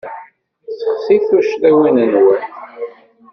Seɣtit tuccḍiwin-nwen.